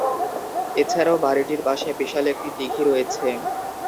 এছাড়াও বাড়িটির পাশে বিশাল একটি দীঘি রয়েছে।